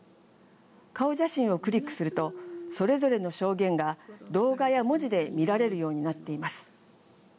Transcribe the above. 顔写真をクリックするとそれぞれの証言が動画や文字で見られるようになっています。